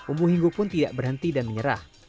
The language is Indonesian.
umbu hinggu pun tidak berhenti dan menyerah